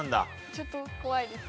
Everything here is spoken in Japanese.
ちょっと怖いです。